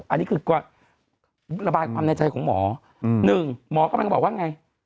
อันนี้คือระบายความในใจของหมอหนึ่งหมอกำลังบอกว่าไง